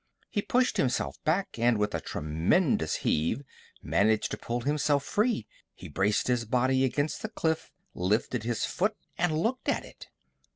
He pushed himself back, and with a tremendous heave managed to pull himself free. He braced his body against the cliff, lifted his foot, and looked at it.